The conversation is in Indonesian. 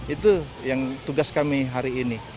itu yang tugas kami hari ini